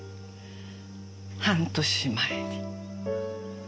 半年前に。